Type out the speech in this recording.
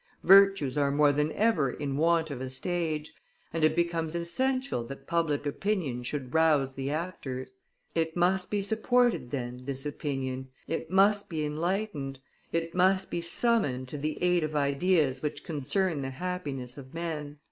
Virtues are more than ever in want of a stage, and it becomes essential that public opinion should rouse the actors; it must be supported, then, this opinion, it must be enlightened, it must be summoned to the aid of ideas which concern the happiness of men."